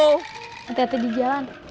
hati hati di jalan